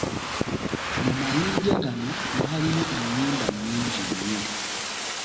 Mu mayinja gano mwalimu ennyimba nyingi nnyo.